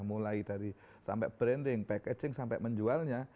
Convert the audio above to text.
mulai dari sampai branding packaging sampai menjualnya